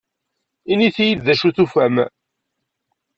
Init-iyi-d d acu tufam.